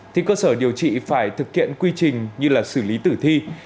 thì cơ sở điều trị phải thực hiện quy trình như là xử lý tử thi